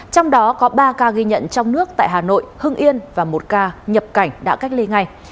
trong đó có ba ca ghi nhận trong nước tại hà nội hưng yên và một ca nhập cảnh đã cách ly ngay